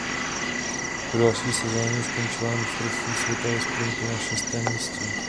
V další sezóně skončila na Mistrovství světa ve sprintu na šestém místě.